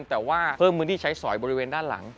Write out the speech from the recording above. แต่ว่าเพิ่มพื้นที่ใช้สอยบริเวณด้านหลัง